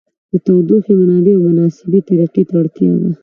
د تودوخې منبع او مناسبې طریقې ته اړتیا ده.